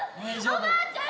おばあちゃん！